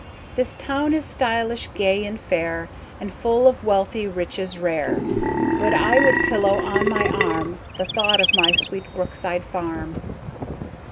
This town is stilish, gay and fair, And full of wellthy riches rare, But I would pillow on my arm The thought of my sweet Brookside Farm.